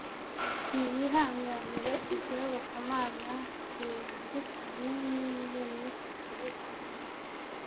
ntiyihanganiye iryo yobokamana ribangikanye n‟iyo myifatire itaboneye.